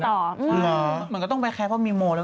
เหมาะก็ต้องไปแค้นเมโม้แล้วอ่ะ